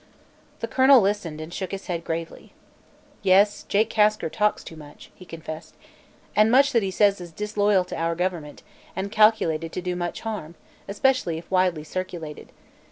The colonel listened and shook his head gravely. "Yes, Jake Kasker talks too much," he confessed, "and much that he says is disloyal to our government and calculated to do much harm, especially if widely circulated.